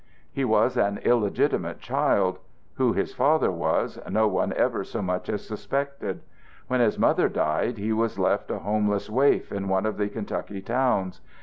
"He was an illegitimate child. Who his father was, no one ever so much as suspected. When his mother died he was left a homeless waif in one of the Kentucky towns.